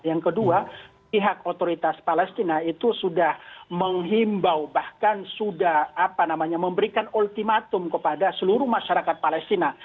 yang kedua pihak otoritas palestina itu sudah menghimbau bahkan sudah memberikan ultimatum kepada seluruh masyarakat palestina